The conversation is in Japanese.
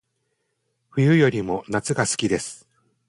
冬よりも夏が好きです